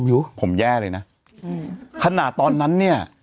อื้อผมแย่เลยนะขณะตอนนั้นเนี่ย